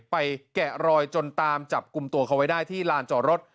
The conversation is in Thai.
แกะรอยจนตามจับกลุ่มตัวเขาไว้ได้ที่ลานจอดรถ